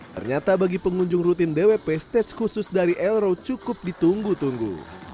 ternyata bagi pengunjung rutin dwp stage khusus dari elro cukup ditunggu tunggu